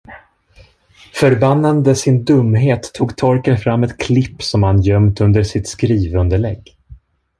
Förbannande sin dumhet tog Torkel fram ett klipp som han gömt under sitt skrivunderlägg.